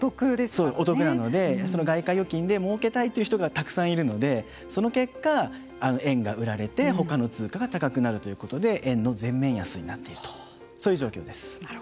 そう、お得なので外貨預金でもうけたいという人がたくさんいるのでその結果、円が売られてほかの通貨が高くなるということで円の全面安になっているとそういう状況です。